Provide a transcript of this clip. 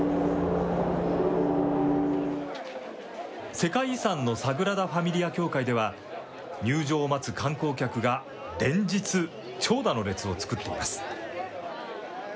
世界遺産のサグラダ・ファミリア教会では、入場を待つ観光客が連日、長蛇の列を作っています。